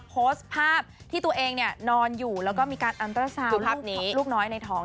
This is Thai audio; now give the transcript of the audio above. โพสต์ภาพที่ตัวเองเนี้ยนอนอยู่แล้วก็มีการลูกน้อยในท้อง